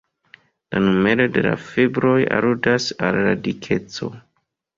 La numero de la fibroj aludas al la dikeco.